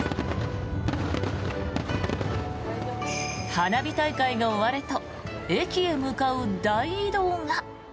花火大会が終わると駅へ向かう大移動が。